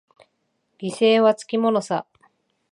犠牲はつきものさ。